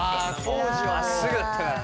まっすぐだったからね。